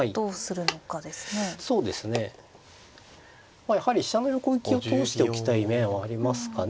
まあやはり飛車の横利きを通しておきたい面はありますかね。